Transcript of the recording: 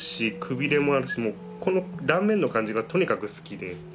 もうこの断面の感じがとにかく好きで。